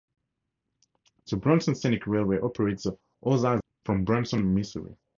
The Branson Scenic Railway operates the "Ozark Zephyr" from Branson, Missouri.